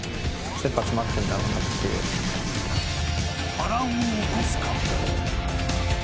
波乱を起こすか。